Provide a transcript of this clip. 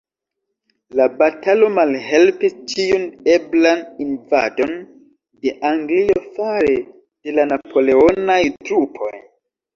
La batalo malhelpis ĉiun eblan invadon de Anglio fare de la napoleonaj trupoj.